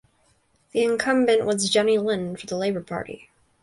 The incumbent was Jenny Lynn for the Labour Party.